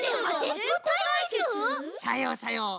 さようさよう。